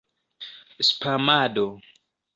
spamado